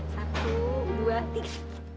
satu dua tiga